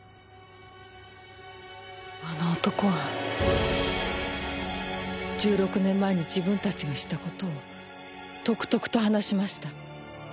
あの男は１６年前に自分たちがした事をとくとくと話しました。